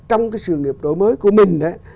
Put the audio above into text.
trong cái sự nghiệp đổi mới của mình đó